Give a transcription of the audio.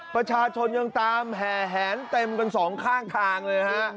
ประชาชนยังตามแห่แหนเต็มกันสองข้างทางเลยฮะ